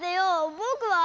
ぼくは？